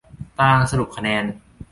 ตารางสรุปคะแนน